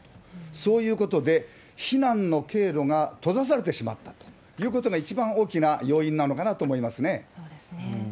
そういうことで、避難の経路が閉ざされてしまったということが、一番大きな要因なそうですね。